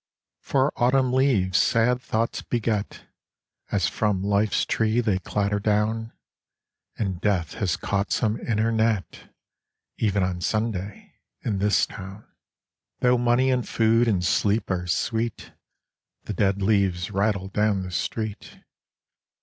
For Autumn leaves sad thoughts beget. As from life's tree they clatter down, And Death has caught some in her net Even on Sunday — in this Town, Tho' money and food and sleep are sweet ! The dead leaves rattle down the street.